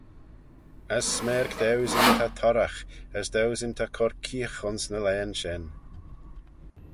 As smerg dauesyn ta torragh, as dauesyn ta cur keeagh ayns ny laghyn shen.